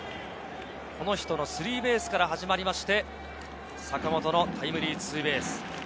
スリーベースから始まって坂本のタイムリーツーベース。